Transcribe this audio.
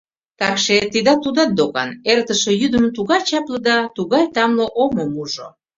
Такше тидат-тудат докан: эртыше йӱдым тугай чапле да тугай тамле омым ужо.